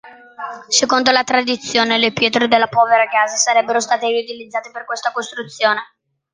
Secondo la tradizione le pietre della povera casa sarebbero state riutilizzate per questa costruzione.